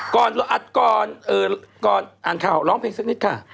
อัดก่อนอ่านข่าวร้องเพลงสักนิดค่ะ